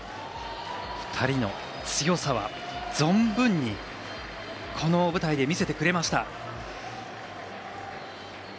２人の強さは存分に、この大舞台で見せてくれました。